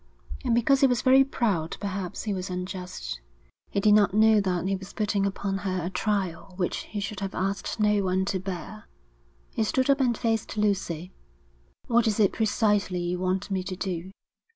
And because he was very proud perhaps he was unjust. He did not know that he was putting upon her a trial which he should have asked no one to bear. He stood up and faced Lucy. 'What is it precisely you want me to do?'